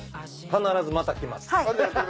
必ずまた来ます。